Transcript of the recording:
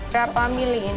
berapa mili ini